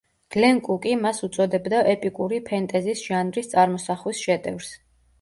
გლენ კუკი მას უწოდებდა ეპიკური ფენტეზის ჟანრის წარმოსახვის შედევრს.